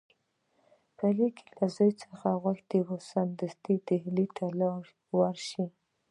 په لیک کې له زوی څخه غوښتي سمدستي ډهلي ته ورشي.